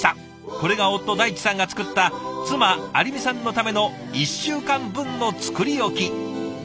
これが夫大地さんが作った妻有美さんのための１週間分の作り置き。